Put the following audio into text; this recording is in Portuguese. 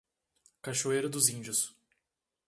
Cachoeira dos Índios